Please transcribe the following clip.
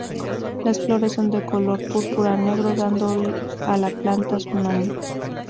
Las flores son de color púrpura-negro, dando a la planta su nombre.